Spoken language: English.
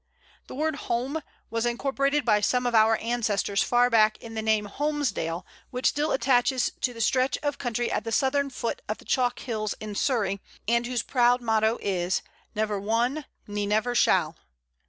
The word Holm was incorporated by some of our ancestors far back in the name Holmsdale, which still attaches to the stretch of country at the southern foot of the chalk hills in Surrey, and whose proud motto is, "Never wonne, ne never shall."